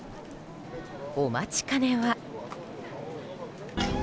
お待ちかねは。